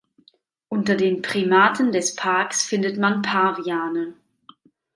Unter den Primaten des Parks findet man Paviane.